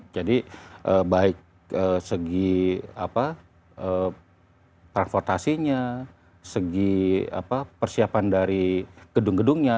jadi baik segi transportasinya segi persiapan dari gedung gedungnya